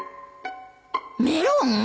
メロン？